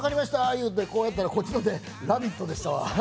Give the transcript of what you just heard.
言うてこうやったらこっちの手、ラヴィットでしたわ。